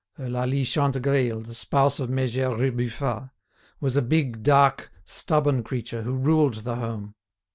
Eulalie Chantegreil, the spouse of méger Rebufat, was a big, dark, stubborn creature, who ruled the home.